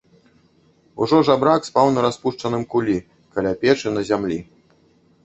Ужо жабрак спаў на распушчаным кулі каля печы на зямлі.